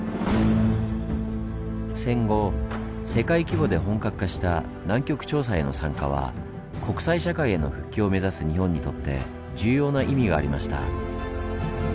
戦後世界規模で本格化した南極調査への参加は国際社会への復帰を目指す日本にとって重要な意味がありました。